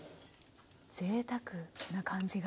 ぜいたくな感じが。